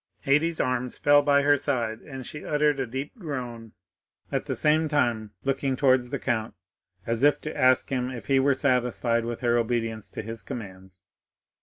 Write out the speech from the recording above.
Haydée's arms fell by her side, and she uttered a deep groan, at the same time looking towards the count as if to ask if he were satisfied with her obedience to his commands.